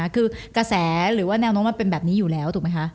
คือกระแสหรือว่าแนวโน้มมันเป็นแบบนี้อยู่แล้วถูกไหมคะ